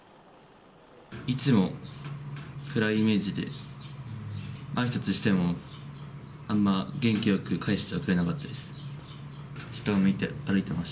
いつも暗いイメージで、あいさつしても、あんま元気よく返してはくれなかったです。